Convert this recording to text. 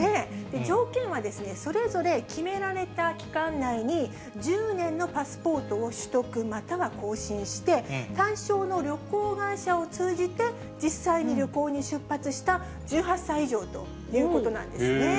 条件はそれぞれ決められた期間内に、１０年のパスポートを取得または更新して、対象の旅行会社を通じて、実際に旅行に出発した１８歳以上ということなんですね。